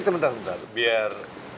bentar bentar biar